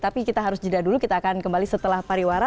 tapi kita harus jeda dulu kita akan kembali setelah pariwara